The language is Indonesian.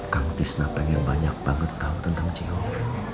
kang tisna pengen banyak banget tau tentang cik yoyok